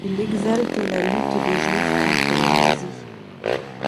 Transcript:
Il exalte la lutte des Juifs contre les nazis.